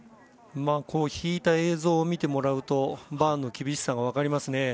引いた映像を見てもらうとバーンの厳しさが分かりますね。